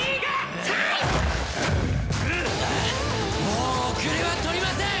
もう後れは取りません！